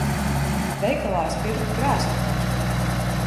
Veikalā es pirku krēslu taču.